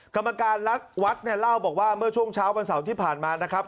กรรมการรักวัดเนี่ยเล่าบอกว่าเมื่อช่วงเช้าวันเสาร์ที่ผ่านมานะครับ